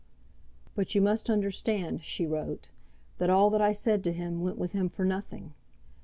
"But you must understand," she wrote, "that all that I said to him went with him for nothing.